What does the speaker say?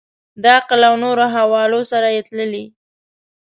د عقل او نورو حوالو سره یې تللي.